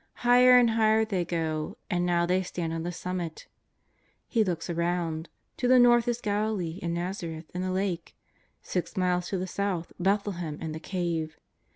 Higher and higher they go, and now they stand on the summit. He looks around. To the north is Galilee and J^az areth and the Lake. Six miles to the south, Bethlehem and the Cave.